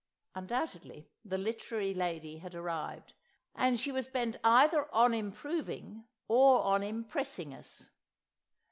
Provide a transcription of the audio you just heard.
(Undoubtedly the Literary Lady had arrived; and she was bent either on improving or on impressing us!)